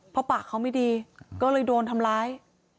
เพราะปากเขาไม่ดีก็เลยโดนทำร้าย